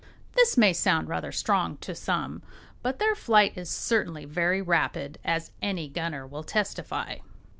This may sound rather strong to some, but their flight is certainly very rapid, as any gunner will testify.